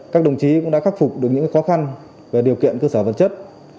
các đồng chí cũng đã khắc phục được những khó khăn về điều kiện cơ sở vật chất